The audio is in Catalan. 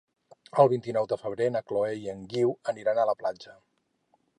El vint-i-nou de febrer na Chloé i en Guiu aniran a la platja.